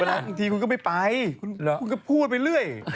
บางทีคุณก็ไม่ไปคุณก็พูดไปเรื่อย